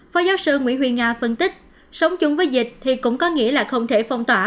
phó giáo sư nguyễn huy nga phân tích sống chung với dịch thì cũng có nghĩa là không thể phong tỏa